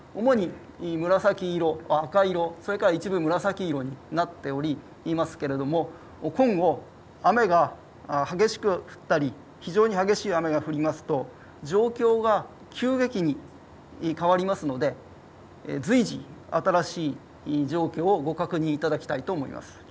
これは、洪水害のキキクルになっておりまして主に紫色、赤色、一部、紫色になっておりますけれども、今後雨が激しく降ったり非常に激しい雨が降りますと状況が急激に変わりますので随時、新しい状況をご確認いただきたいと思います。